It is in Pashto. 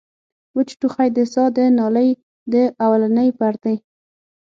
وچ ټوخی د ساه د نالۍ د اولنۍ پردې